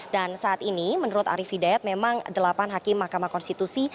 dan saat ini menurut arief hidayat memang delapan hakim mahkamah konstitusi